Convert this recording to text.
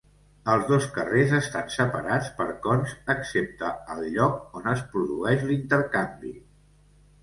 Els dos carrers estan separats per cons excepte al lloc on es produeix l'intercanvi.